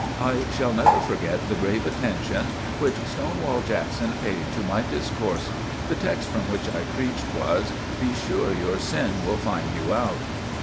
I shall never forget the grave attention which "Stonewall" Jackson paid to my discourse. The text from which I preached was: "Be sure your sin will find you out."